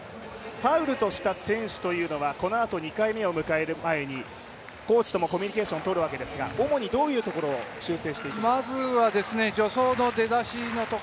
ファウルとした選手というのはこのあと２回目を迎える前にコーチともコミュニケーションとるわけですが、主にどういうところを修正していくと？